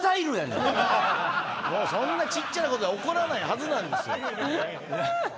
そんなちっちゃなことでは怒らないはずなんですよ。